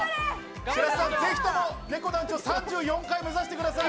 白洲さん、是非ともねこ団長と３４回目指してください。